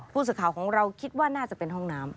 ผู้สื่อข่าวของเราคิดว่าน่าจะเป็นห้องน้ำ